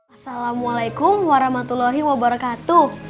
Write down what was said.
assalamualaikum warahmatullahi wabarakatuh